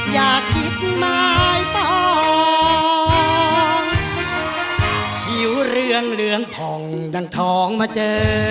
อยู่เรืองเรืองผ่องจังทองมาเจอ